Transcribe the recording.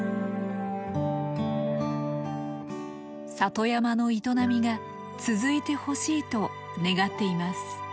里山の営みが続いてほしいと願っています。